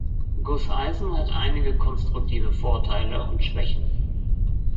Gusseisen hat einige konstruktive Vorteile und Schwächen.